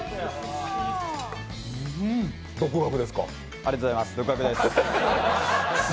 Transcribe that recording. ありがとうございます。